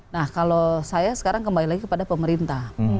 nah kalau saya sekarang kembali lagi kepada pemerintah